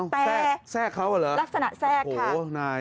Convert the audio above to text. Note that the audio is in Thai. แทรกเขาเหรอโอ้โฮนายลักษณะแทรกค่ะ